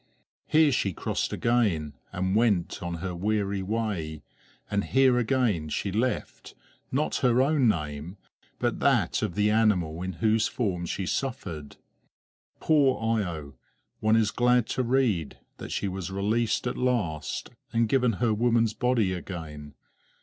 Here she crossed again, and went on her weary way; and here again she left not her own name, but that of the animal in whose form she suffered. Poor Io! one is glad to read that she was released at last, and given her woman's body again.